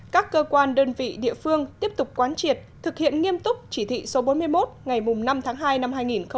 các cơ quan đơn vị địa phương tiếp tục quán triệt thực hiện nghiêm túc chỉ thị số bốn mươi một ngày năm tháng hai năm hai nghìn hai mươi